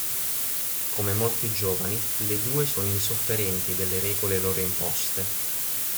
Come molti giovani, le due sono insofferenti delle regole loro imposte.